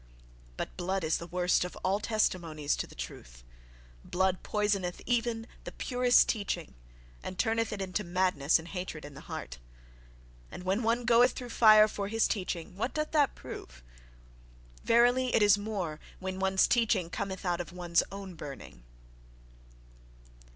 But blood is the worst of all testimonies to the truth; blood poisoneth even the purest teaching and turneth it into madness and hatred in the heart. And when one goeth through fire for his teaching—what doth that prove? Verily, it is more when one's teaching cometh out of one's own burning!